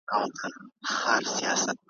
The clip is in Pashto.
پر دې ستړو رباتونو کاروانونه به ورکیږي `